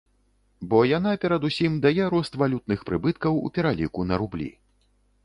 Бо яна, перад усім, дае рост валютных прыбыткаў у пераліку на рублі.